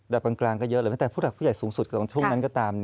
ดับกลางก็เยอะแต่ผู้หลักผู้ใหญ่สูงสุดของช่วงนั้นก็ตาม